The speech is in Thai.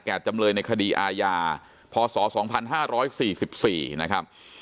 จำเลยในคดีอาญาพศ๒๕๔๔นะครับ